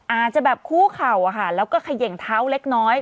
อาจจะแบบคู่เข่าแล้วก็เขย่งเท้าเล็กน้อย